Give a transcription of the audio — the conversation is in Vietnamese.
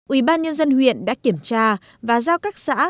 ubnd huyện đã kiểm tra và giao các xã